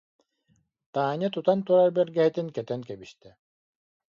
Таня тутан турар бэргэһэтин кэтэн кэбистэ